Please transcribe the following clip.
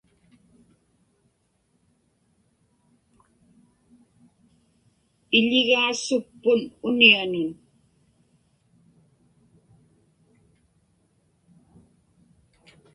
Iḷigaa suppun unianun.